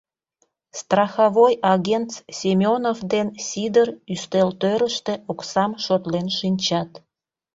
Страховой агент Семёнов ден Сидыр ӱстелтӧрыштӧ оксам шотлен шинчат.